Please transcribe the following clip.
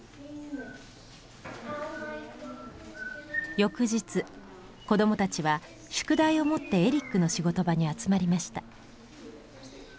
翌日子どもたちは宿題を持ってエリックの仕事場に集まりました。